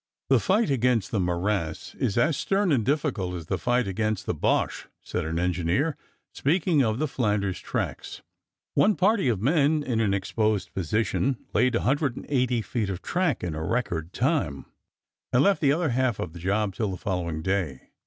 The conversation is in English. "The fight against the morass is as stern and difficult as the fight against the Boche," said an engineer, speaking of the Flanders tracks. One party of men, in an exposed position, laid 180 feet of track in a record time, and left the other half of the job till the following day.